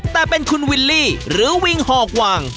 แต่เป็นคุณวิลลี่หรือวิงหอกวาง